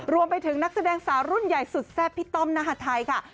รวมไปถึงนักแสดงสาวรุ่นใหญ่สุดแซ่บพี่ต้อมนฮาไทยค่ะ